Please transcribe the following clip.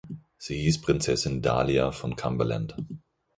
Sie hieß Prinzessin Dahlia von Cumberland.